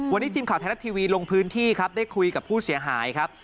วันนี้ทีมข่าวไทยรัฐทีวีลงพื้นที่ครับได้คุยกับผู้เสียหายครับ